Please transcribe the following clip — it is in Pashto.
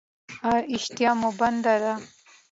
ایا اشتها مو بنده ده؟